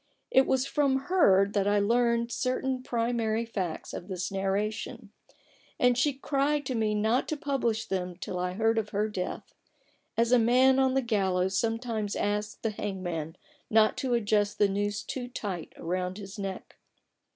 It was from her that I learned certain primary facts of this narration ; and she cried to me not to publish them till I heard of her death — as a man on the gallows sometimes asks the hangman not to adjust the noose too tight round his neck.